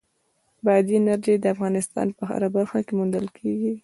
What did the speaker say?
بادي انرژي د افغانستان په هره برخه کې موندل کېږي.